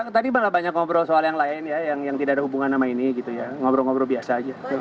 tadi mbak banyak ngobrol soal yang lain ya yang tidak ada hubungan sama ini gitu ya ngobrol ngobrol biasa aja